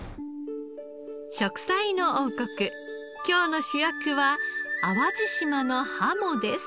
『食彩の王国』今日の主役は淡路島のハモです。